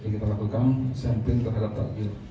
kita lakukan sampling terhadap parkir